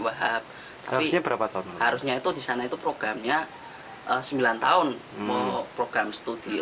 wahab tapi berapa tahun harusnya itu di sana itu programnya sembilan tahun mau program studi